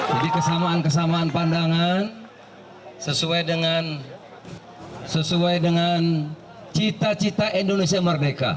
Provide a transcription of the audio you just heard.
jadi kesamaan kesamaan pandangan sesuai dengan sesuai dengan cita cita indonesia merdeka